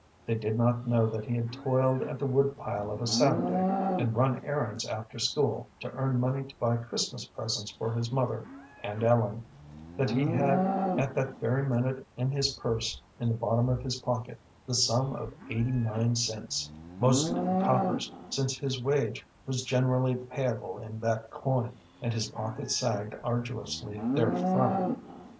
They did not know that he had toiled at the wood pile of a Saturday, and run errands after school, to earn money to buy Christmas presents for his mother and Ellen; that he had at that very minute in his purse in the bottom of his pocket the sum of eighty nine cents, mostly in coppers, since his wage was generally payable in that coin, and his pocket sagged arduously therefrom.